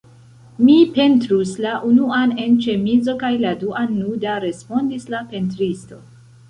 Mi pentrus la unuan en ĉemizo kaj la duan nuda, respondis la pentristo.